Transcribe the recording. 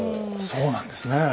そうなんですね。